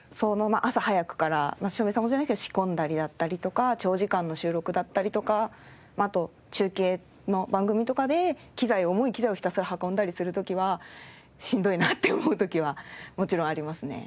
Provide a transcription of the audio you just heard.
朝早くから照明さんほどじゃないけど仕込んだりだったりとか長時間の収録だったりとかあと中継の番組とかで機材を重い機材をひたすら運んだりする時はしんどいなって思う時はもちろんありますね。